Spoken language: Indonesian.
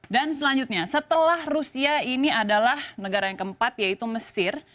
dan selanjutnya setelah rusia ini adalah negara yang keempat yaitu mesir